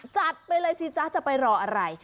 จัดไปเลยสิจ๊ะจะไปรออะไร